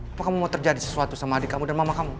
apakah kamu mau terjadi sesuatu sama adik kamu dan mama kamu